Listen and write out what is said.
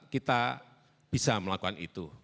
kita bisa melakukan itu